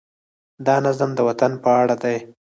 دا نظم د وطن په اړه دی.